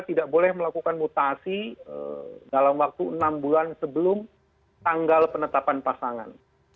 tidak boleh melakukan mutasi dalam waktu enam bulan sebelum tanggal penetapan pasangan